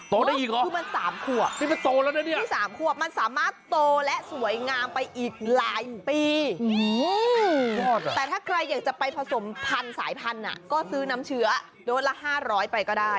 คือมัน๓ขวบนี่มันโตแล้วนะเนี่ยโตและสวยงามไปอีกหลายปีแต่ถ้าใครอยากจะไปผสมพันธุ์สายพันธุ์ก็ซื้อน้ำเชื้อโดสละ๕๐๐ไปก็ได้